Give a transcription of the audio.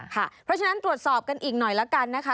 เพราะฉะนั้นตรวจสอบกันอีกหน่อยแล้วกันนะคะ